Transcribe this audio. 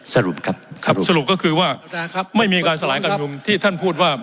สรุปครับครับสรุปก็คือว่าไม่มีการสลายการชุมนุมที่ท่านพูดว่า